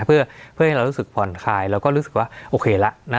เพื่อให้เรารู้สึกผ่อนคลายเราก็รู้สึกว่าโอเคละ